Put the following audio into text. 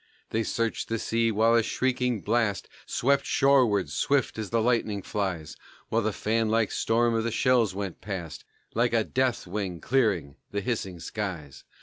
They searched the sea while a shrieking blast Swept shoreward, swift as the lightning flies, While the fan like storm of the shells went past Like a death wing clearing the hissing skies.